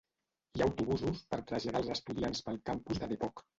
Hi ha autobusos per traslladar els estudiants pel campus de Depok.